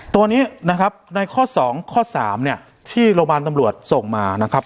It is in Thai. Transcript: ตัวนี้นะครับในข้อ๒ข้อ๓เนี่ยที่โรงพยาบาลตำรวจส่งมานะครับ